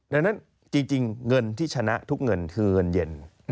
ดังนั้นจริงเงินที่ชนะทุกเงินคือเงินเย็น